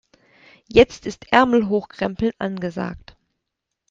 Jetzt ist Ärmel hochkrempeln angesagt.